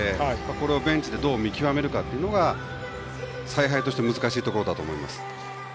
これをベンチでどう見極めるかが采配として難しいところだと思います。